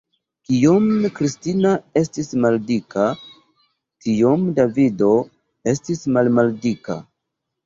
Kiom Kristina estis maldika, tiom Davido estis malmaldika.